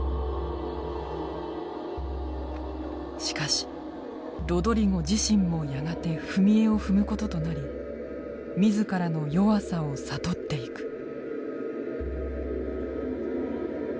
しかしロドリゴ自身もやがて踏み絵を踏むこととなり自らの弱さを悟っていく。